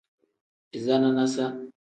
Iza nanasa.